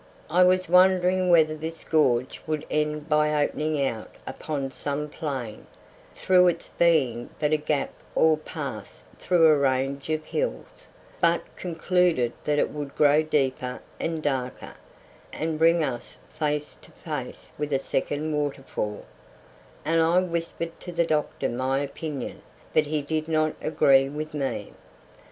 I was wondering whether this gorge would end by opening out upon some plain, through its being but a gap or pass through a range of hills, but concluded that it would grow deeper and darker, and bring us face to face with a second waterfall, and I whispered to the doctor my opinion; but he did not agree with me.